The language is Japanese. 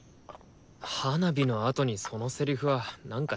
花火のあとにそのセリフはなんか違くねえ？